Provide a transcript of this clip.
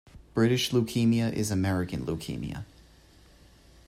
British leukaemia is American leukemia.